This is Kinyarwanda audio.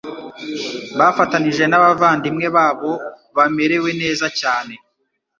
bafatanije n'abavandimwe babo bamerewe neza cyane.